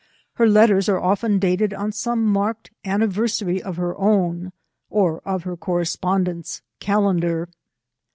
Her letters are often dated on some marked anni versary of her own, or of her correspondent's calendar.